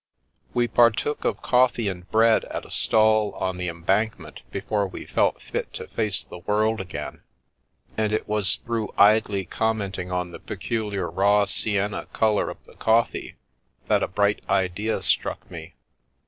We partook of coffee and bread at a stall on the Em bankment before we felt fit to face the world again, and it was through idly commenting on the peculiar raw sienna colour of the coffee that a bright idea struck me.